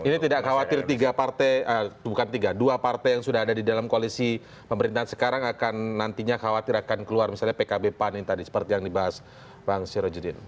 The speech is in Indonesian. ini tidak khawatir tiga partai bukan tiga dua partai yang sudah ada di dalam koalisi pemerintahan sekarang akan nantinya khawatir akan keluar misalnya pkb pan yang tadi seperti yang dibahas bang sirojudin